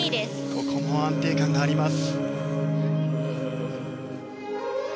ここも安定感があります。